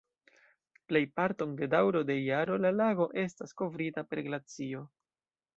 Plejparton de daŭro de jaro la lago estas kovrita per glacio.